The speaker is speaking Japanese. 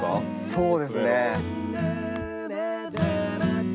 そうですね。